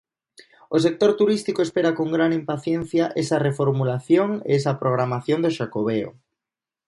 O sector turístico espera con gran impaciencia esa reformulación e esa programación do Xacobeo.